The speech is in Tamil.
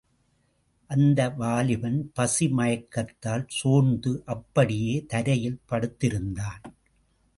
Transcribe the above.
அந்த வாலிபன் பசி மயக்கத்தால் சோர்ந்து அப்படியே தரையில் படுத்திருந்தான்.